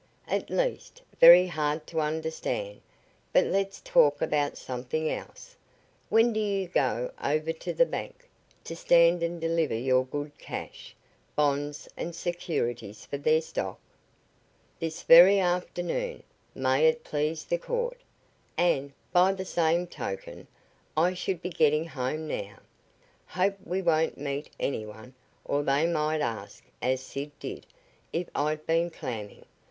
At least very hard to understand. But let's talk about something else. When do you go over to the bank, to stand and deliver your good cash, bonds and securities for their stock?" "This very afternoon, may it please the court. And, by the same token, I should be getting home now. Hope we won't meet anyone, or they might ask, as Sid did, if I'd been clamming.